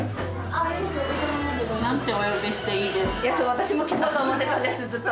私も聞こうと思ってたんですずっと。